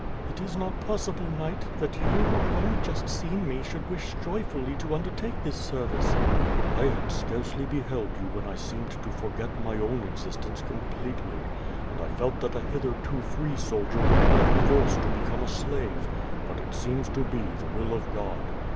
"It is not possible, knight, that you who have only just seen me, should wish joyfully to undertake this service/' "I had scarcely beheld you when I seemed to forget my own existence completely; and I felt that a hitherto free soldier would now be forced to become a slave; but it seems to be the will of God.